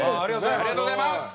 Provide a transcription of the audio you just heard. ありがとうございます！